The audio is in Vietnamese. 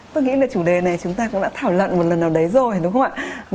tôi nghĩ là chủ đề này chúng ta cũng đã thảo luận một lần nào đấy rồi đúng không ạ